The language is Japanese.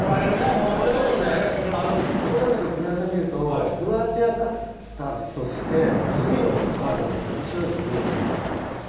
トーナメントの組み合わせを見るとクロアチアが勝ったとして次のカードも面白いですよね。